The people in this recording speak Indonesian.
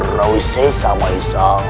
rauh sesa mahesha